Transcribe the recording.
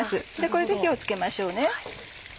これで火を付けましょうね。